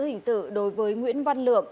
hình sự đối với nguyễn văn lượm